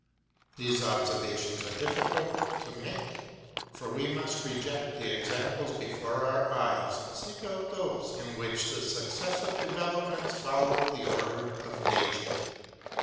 These observations are difficult to make, for we must reject the examples before our eyes, and seek out those in which the successive developments follow the order of nature.